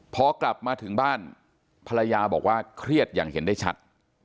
พอกลับมาถึงบ้านภรรยาบอกว่าเครียดอย่างเห็นได้ชัด